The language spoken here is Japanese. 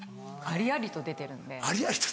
「ありありと出てる」。